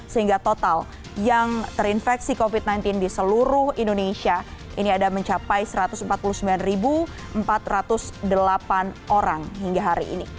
sehingga total yang terinfeksi covid sembilan belas di seluruh indonesia ini ada mencapai satu ratus empat puluh sembilan empat ratus delapan orang hingga hari ini